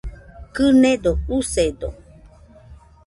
Kɨnedo, usedo